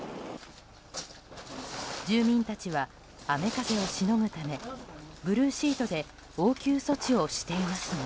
住民たちは雨風をしのぐためブルーシートで応急措置をしていますが。